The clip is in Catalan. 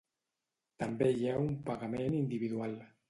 També hi ha un pagament individual.